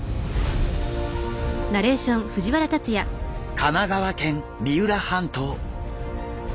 神奈川県三浦半島。